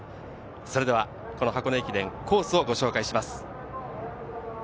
それでは、この箱根駅伝、コースをご紹介します。